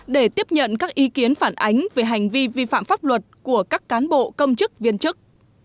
để tiếp nhận các ý kiến phản ánh về hành vi vi phạm pháp luật của các cán bộ công chức viên chức